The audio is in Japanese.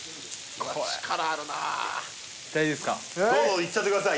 力あるなどうぞいっちゃってください